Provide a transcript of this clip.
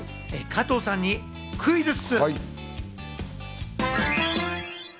加藤さんにクイズッス！